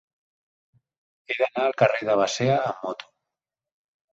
He d'anar al carrer de Basea amb moto.